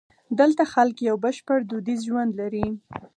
دلته خلک یو بشپړ دودیز ژوند لري.